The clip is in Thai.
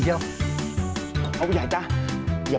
หรือใครกำลังร้อนเงิน